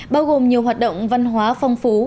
bao gồm nhiều hoạt động văn hóa phong phú